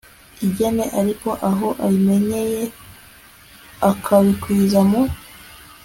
inenge ariko aho ayimenyeye akabikwiza mu